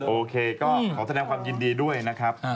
โอเคก็ขอแสดงความยินดีด้วยนะครับ